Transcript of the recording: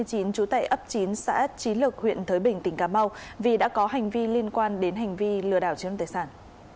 trú tại ấp chín xã trí lực huyện thới bình tỉnh cà mau vì đã có hành vi liên quan đến hành vi lừa đảo chiếm tài sản